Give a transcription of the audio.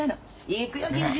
行くよ銀次。